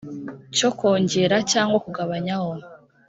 cyo kwongera cyangwa kugabanyaho